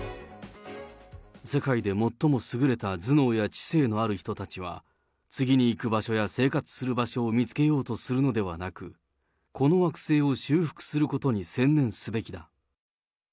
世界で最も優れた頭脳や知性のある人たちは、次に行く場所や生活する場所を見つけようとするのではなく、この惑星を修復することに専念すべきだ。